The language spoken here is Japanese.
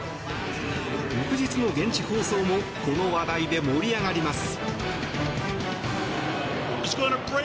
翌日の現地放送もこの話題で盛り上がります。